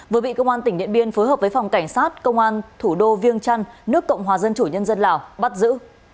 vừa bị công an tỉnh điện biên phối hợp với phòng cảnh sát công an thủ đô viêng trăn nước cộng hòa dân chủ nhân dân lào bắt giữ